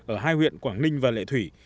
ở hai huyện quảng ninh và lệ thủy